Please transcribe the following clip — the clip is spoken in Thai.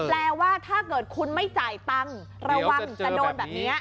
แปลว่าถ้าเกิดคุณไม่จ่ายตังค์ระวังจะโดนแบบนี้